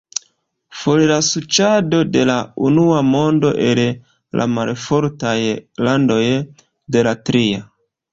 For la suĉado de la unua mondo el la malfortaj landoj de la tria!